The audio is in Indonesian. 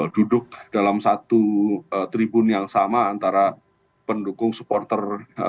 duduk dalam satu tribun yang sama antara pendukung supporter